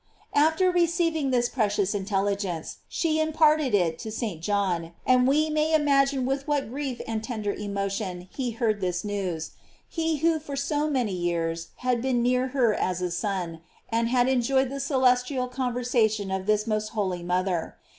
After receiving this precious intelligence, she imparted it to St. John, and we may imagine with what grief and tender emotion he heard this news; he who for so many years had been near her as a son, and had enjoyed the celestial conversation of this most holy mother.